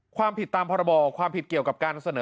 ความผิดตามพรบความผิดเกี่ยวกับการเสนอ